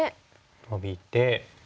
ノビて。